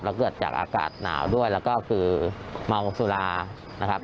แล้วเกิดจากอากาศหนาวด้วยแล้วก็คือเมาสุรานะครับ